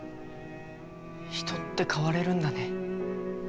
人って変われるんだね。